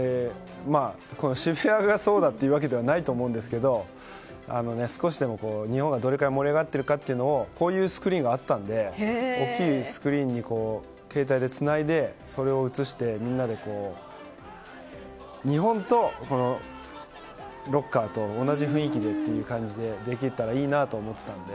渋谷がそうだってわけではないと思うんですけど少しでも日本がどれぐらい盛り上がっているかをスクリーンがあったので大きいスクリーンに携帯でつないで、それを映してみんなで、日本とロッカーと同じ雰囲気でっていう感じでできたらいいなと思っていたので。